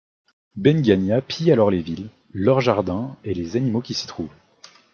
Ben Ghania pille alors les villes, leurs jardins et les animaux qui s'y trouvent.